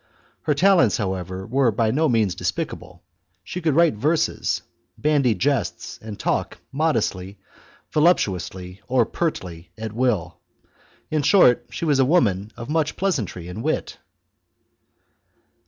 Her talents, however, were by no means despicable ; she could write verses, bandy jests, and talk modestly, voluptuously, or pertly at will ; in short, she was a woman of much pleasantry and wit.